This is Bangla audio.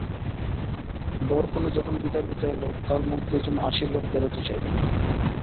বরকনে যখন বিদায় নিতে এল তাঁর মুখ দিয়ে যেন আশীর্বাদ বেরোতে চাইল না।